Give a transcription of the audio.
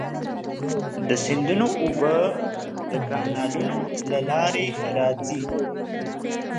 د سیندونو اوبه د کانالونو له لارې راځي.